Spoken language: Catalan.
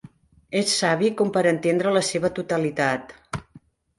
És savi com per entendre la seva totalitat.